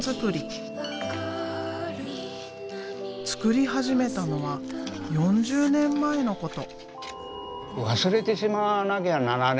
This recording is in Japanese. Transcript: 作り始めたのは４０年前のこと。